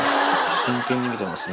真剣に見てますね。